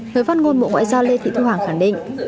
người phát ngôn mộ ngoại giao lê thị thu hoàng khẳng định